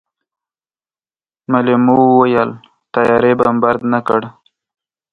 مېلمو وويل طيارې بمبارد نه کړ.